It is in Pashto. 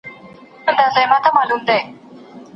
شین واښه او پاکې اوبه د څارویو د چټکې ودې لپاره خورا اړین دي.